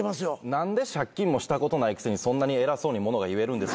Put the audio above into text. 何で借金もしたことないくせにそんなに偉そうに物が言えるんですか？